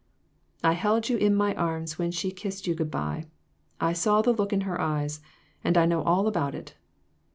I held you in my arms when she kissed you good by ; I saw the look in her eyes, and I know all about it."